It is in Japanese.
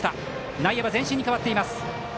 内野は前進に変わっています。